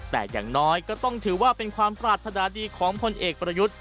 แต่อย่างน้อยก็ต้องถือว่าเป็นความปรารถนาดีของพลเอกประยุทธ์